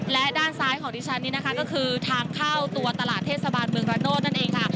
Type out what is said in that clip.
และด้านซ้ายของดิฉันนี่นะคะก็คือทางเข้าตัวตลาดเทศบาลเมืองระโนธนั่นเองค่ะ